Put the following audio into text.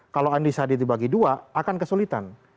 kalau andi saddi dibagi dua akan kesulitan